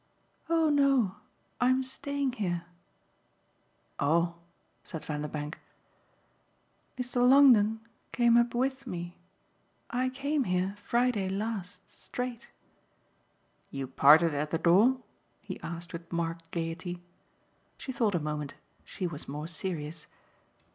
"Oh no I'm staying here." "Oh!" said Vanderbank. "Mr. Longdon came up with me I came here, Friday last, straight." "You parted at the door?" he asked with marked gaiety. She thought a moment she was more serious.